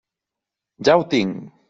Ja ho tinc!